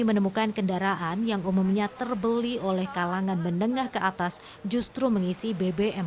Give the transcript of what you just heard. menemukan kendaraan yang umumnya terbeli oleh kalangan menengah ke atas justru mengisi bbm